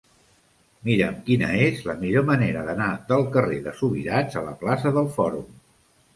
Mira'm quina és la millor manera d'anar del carrer de Subirats a la plaça del Fòrum.